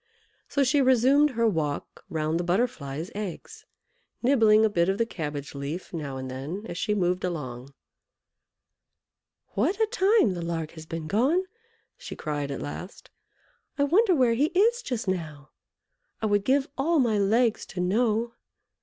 So she resumed her walk round the Butterfly's eggs, nibbling a bit of the cabbage leaf now and then as she moved along. "What a time the Lark has been gone!" she cried, at last. "I wonder where he is just now! I would give all my legs to know!"